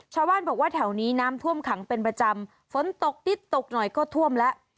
ชาวบ้านบอกว่าแถวนี้น้ำท่วมขังเป็นประจำฝนตกนิดตกหน่อยก็ท่วมแล้ว